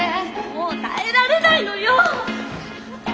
もう耐えられないのよ！